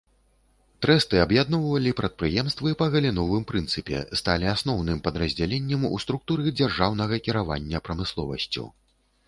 Трэсты аб'ядноўвалі прадпрыемствы па галіновым прынцыпе, сталі асноўным падраздзяленнем у структуры дзяржаўнага кіравання прамысловасцю.